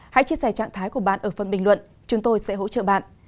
hãy chia sẻ trạng thái của bạn ở phần bình luận chúng tôi sẽ hỗ trợ bạn